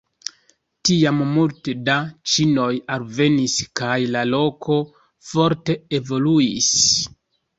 Tiam multe da ĉinoj alvenis kaj la loko forte evoluis.